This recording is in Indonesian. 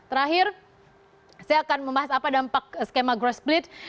terakhir saya akan membahas apa dampak skema growth split